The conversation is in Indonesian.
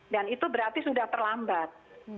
dan itu berarti sudah terlambat